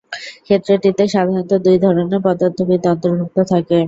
ক্ষেত্রটিতে সাধারণত দুই ধরনের পদার্থবিদ অন্তর্ভুক্ত থাকে।